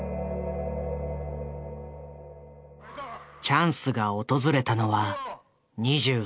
チャンスが訪れたのは２３歳。